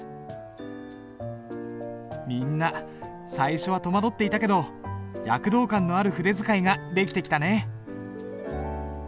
みんな最初は戸惑っていたけど躍動感のある筆使いができてきたね。